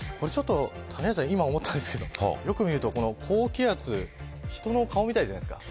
谷原さん、今思ったんですけどよく見ると高気圧人の顔みたいじゃないですか。